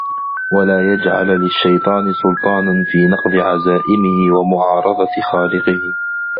وَلَا يَجْعَلَ لِلشَّيْطَانِ سُلْطَانًا فِي نَقْضِ عَزَائِمِهِ وَمُعَارَضَةِ خَالِقِهِ